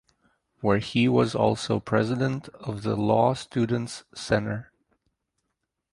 Where he was also president of the Law Students Center.